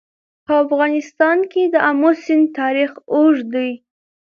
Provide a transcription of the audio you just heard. په افغانستان کې د آمو سیند تاریخ اوږد دی.